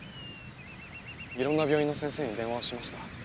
いろんな病院の先生に電話をしました